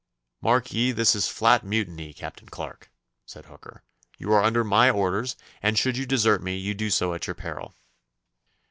'Mark ye, this is flat mutiny, Captain Clarke,' said Hooker; 'you are under my orders, and should you desert me you do so at your peril.